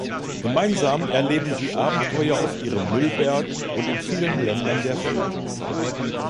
Gemeinsam erleben sie Abenteuer auf ihrem Müllberg und in vielen Ländern der Welt.